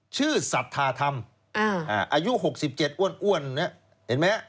ชื่อสัตธาธรรมอายุ๖๗อ้วนนี่เห็นไหม